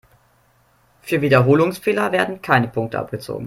Für Wiederholungsfehler werden keine Punkte abgezogen.